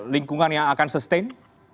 lingkungan yang akan sustain